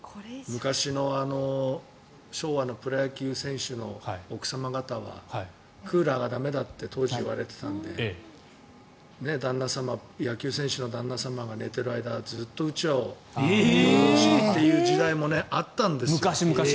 昔の昭和のプロ野球選手の奥様方はクーラーが駄目だって当時言われていたので野球選手の旦那様が寝てる間はずっとうちわをという時代もあったんですよ。